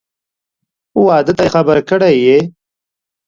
واده ته یې خبر کړی یې؟